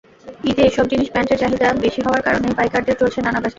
ঈদে এসব জিনস প্যান্টের চাহিদা বেশি হওয়ার কারণে পাইকারদের চলছে নানা ব্যস্ততা।